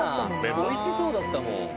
おいしそうだったもん。